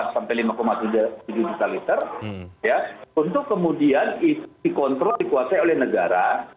lima tujuh lima empat sampai lima tujuh juta liter untuk kemudian dikontrol dikuasai oleh negara